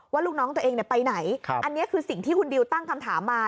ลูกน้องตัวเองไปไหนอันนี้คือสิ่งที่คุณดิวตั้งคำถามมา